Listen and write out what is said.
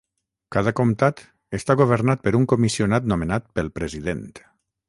Cada comtat està governat per un comissionat nomenat pel president.